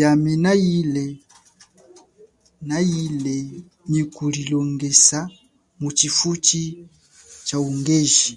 Yami na ile nyi kulilongesa mutshifutshi chaungeji.